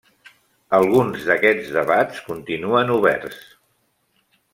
Alguns d'aquests debats continuen oberts.